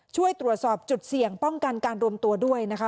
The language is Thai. ช่วยตรวจสอบจุดเสี่ยงป้องกันการรวมตัวด้วยนะคะ